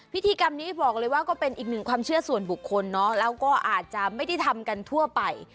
พิธีกรรมนี้บอกเลยว่าก็เป็นอีกหนึ่งความเชื่อส่วนบุคคลเนอะแล้วก็อาจจะไม่ได้ทำกันทั่วไป